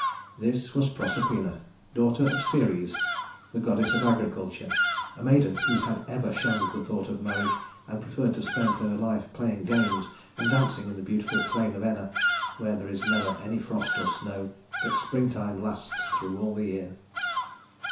This was Proserpina, daughter of Ceres, the goddess of agriculture, a maiden who had ever shunned the thought of marriage and preferred to spend her life playing games, and dancing in the beautiful plain of Enna, where there is never any frost or snow, but springtime lasts through all the year.